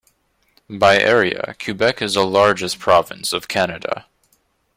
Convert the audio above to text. By area, Quebec is the largest province of Canada.